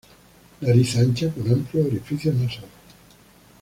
Nariz ancha con amplios orificios nasales.